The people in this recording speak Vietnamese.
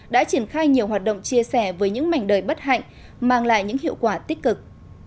đã triển khai nhiều hoạt động chia sẻ với những mảnh đời bất hạnh mang lại những hiệu quả tích cực